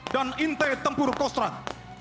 dan intai tempur kostrad